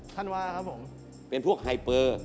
ธันวาค์ครับผม